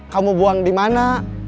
kamu buang di mana